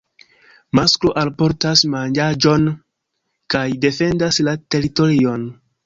Masklo alportas manĝaĵon kaj defendas la teritorion.